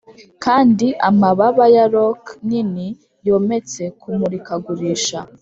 kandi amababa ya roc nini yometse kumurikagurisha!